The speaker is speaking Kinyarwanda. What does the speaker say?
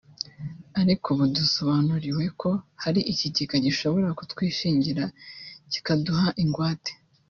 ariko ubu dusobanuriwe ko hari ikigega gishobora kutwishingira kikaduha ingwate